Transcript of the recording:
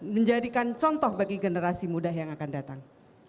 menjadikan contoh bagi generasi muda yang akan datang